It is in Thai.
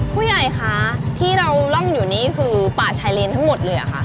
ผู้ใหญ่คะที่เราร่องอยู่นี่คือป่าชายเลนทั้งหมดเลยค่ะ